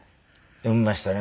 読みましたね。